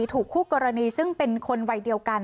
ถูกคู่กรณีซึ่งเป็นคนวัยเดียวกัน